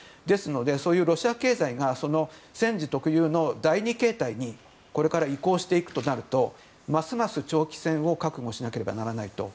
ですので、ロシア経済が戦時特有の第２形態にこれから移行していくとなるとますます長期戦を覚悟しなければならない。